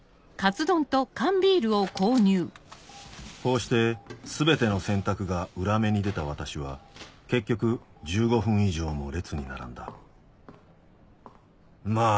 こうして全ての選択が裏目に出た私は結局１５分以上も列に並んだまぁ